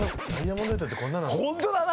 ホントだな！